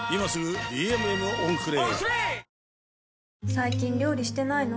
最近料理してないの？